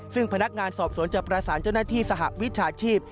ซึ่งพนักงานสอบสวนจะประสานเจ้าหน้าที่สหวิชาชีพ